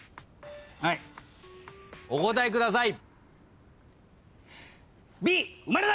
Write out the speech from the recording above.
お答えください。